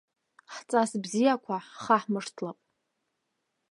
Ҳҵас бзиақәа ҳхаҳмыршҭлап.